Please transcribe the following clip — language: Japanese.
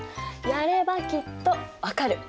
やればきっと分かる！